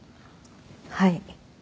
はい。